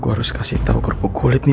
gue harus kasih tau kurkuk kulit nih